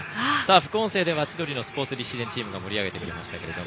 副音声では「千鳥のスポーツ立志伝」チーム盛り上げてくれましたけども。